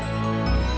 ya sudah lah